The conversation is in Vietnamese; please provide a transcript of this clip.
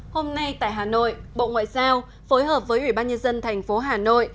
hôm nay tại hà nội bộ ngoại giao phối hợp với ủy ban nhân dân thành phố hà nội